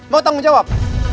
mau tanggung jawab